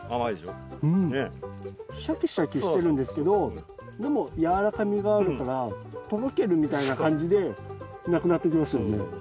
シャキシャキしてるんですけどでも柔らかみがあるからとろけるみたいな感じでなくなっていきますよね。